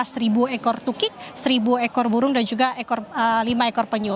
dua belas ekor tukik seribu ekor burung dan juga lima ekor penyu